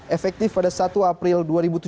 efektif pada satu april dua ribu tujuh belas